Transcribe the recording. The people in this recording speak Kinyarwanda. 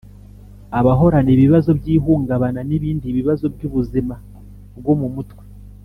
Abahorana ibibazo by ihungabana n ibindi bibazo by ubuzima bwo mu mutwe